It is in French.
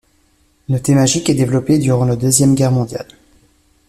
Le té magique est développé durant la Deuxième Guerre mondiale.